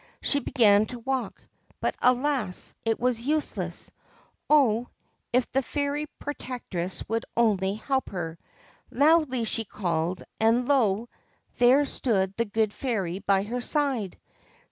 She began to walk, but, alas I it was Useless. Oh I if the Fairy Protectress would only help her 1 Loudly she called, and lo I there stood the good fairy by her side.